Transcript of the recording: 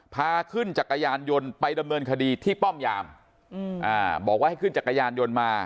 พาขึ้นจักรยานยนต์ไปดำเนินคดีที่ป้อมยามบอกว่าให้ขึ้นจักรยานยนต์มา